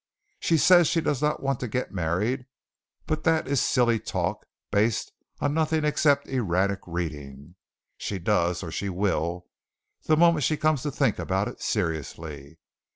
She says she does not want to get married, but that is silly talk, based on nothing except erratic reading. She does, or she will, the moment she comes to think about it seriously.